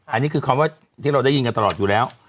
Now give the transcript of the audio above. อันนี้คือคำว่าที่เราได้ยินกันตลอดอยู่แล้ว